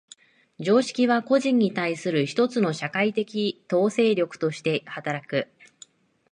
常識は個人に対する一つの社会的統制力として働く。